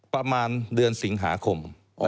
ประมาณเดือนสิงหาคม